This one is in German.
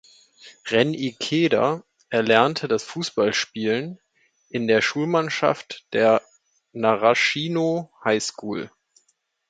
Ren Ikeda erlernte das Fußballspielen in der Schulmannschaft der Narashino High School.